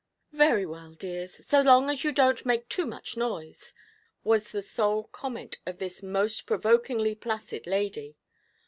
'Very well, dears, so long as you don't make too much noise,' was the sole comment of this most provokingly placid lady.